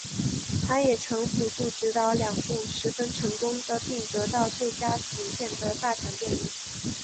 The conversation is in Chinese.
他也曾辅助执导了两部十分成功的并得到最佳影片大奖的电影。